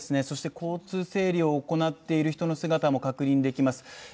そして交通整理を行っている人の姿も確認できます